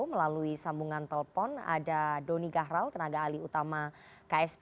melalui sambungan telepon ada doni gahral tenaga alih utama ksp